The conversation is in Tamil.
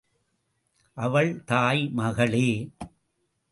அவள் தாய் மகளே!